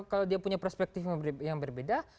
kalau dia punya perspektif yang berbeda